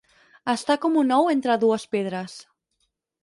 Estar com un ou entre dues pedres.